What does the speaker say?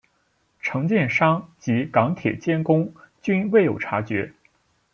承建商及港铁监工均未有察觉。